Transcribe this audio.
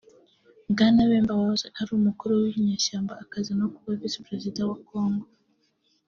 Bwana Bemba wahoze ari umukuru w’inyeshyamba akaza no kuba Visi-Perezida wa Kongo